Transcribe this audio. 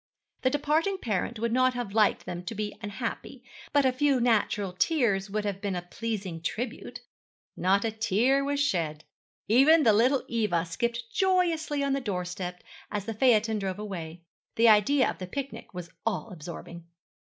The departing parent would not have liked them to be unhappy, but a few natural tears would have been a pleasing tribute. Not a tear was shed. Even the little Eva skipped joyously on the doorstep as the phaeton drove away. The idea of the picnic was all absorbing.